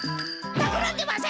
たくらんでません！